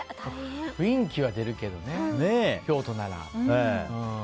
雰囲気は出るけどね、京都なら。